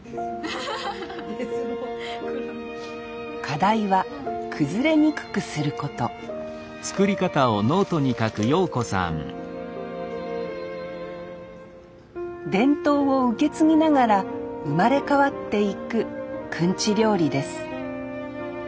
課題は崩れにくくすること伝統を受け継ぎながら生まれ変わっていくくんち料理です